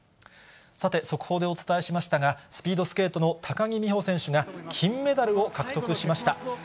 さて、速報でお伝えしましたが、スピードスケートの高木美帆選手が、金メダルを獲得しました。